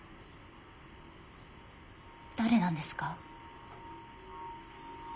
誰なんですか？